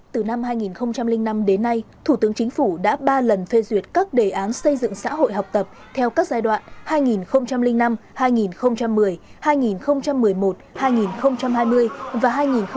từ năm hai nghìn năm đến nay thủ tướng chính phủ đã ba lần phê duyệt các đề án xây dựng xã hội học tập theo các giai đoạn hai nghìn năm hai nghìn một mươi hai nghìn một mươi một hai nghìn hai mươi và hai nghìn một mươi